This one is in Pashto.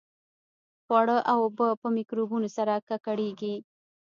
خواړه او اوبه په میکروبونو سره ککړېږي.